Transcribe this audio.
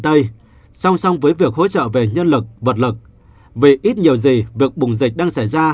đây song song với việc hỗ trợ về nhân lực vật lực vì ít nhiều gì việc bùng dịch đang xảy ra